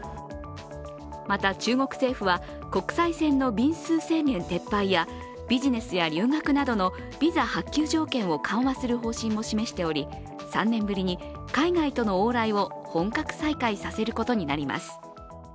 また中国政府は、国際線の便数制限撤廃やビジネスや留学などのビザ発給条件を緩和する方針を示しており３年ぶりに海外との往来を本格再開させることになります。